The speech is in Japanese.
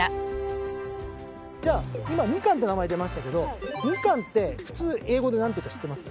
今ミカンって名前出ましたけどミカンって普通英語で何ていうか知ってます？